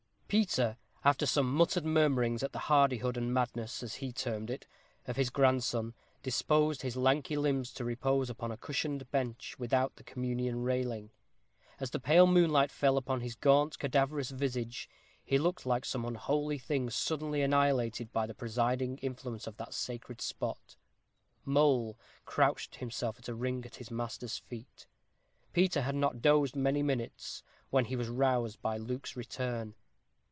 Peter, after some muttered murmurings at the hardihood and madness, as he termed it, of his grandson, disposed his lanky limbs to repose upon a cushioned bench without the communion railing. As the pale moonlight fell upon his gaunt and cadaverous visage, he looked like some unholy thing suddenly annihilated by the presiding influence of that sacred spot. Mole crouched himself in a ring at his master's feet. Peter had not dozed many minutes, when he was aroused by Luke's return.